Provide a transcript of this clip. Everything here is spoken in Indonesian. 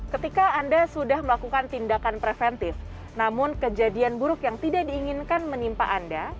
ketika anda sudah melakukan tindakan preventif namun kejadian buruk yang tidak diinginkan menimpa anda